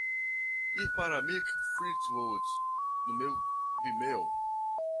Ir para Mick Fleetwood no meu Vimeo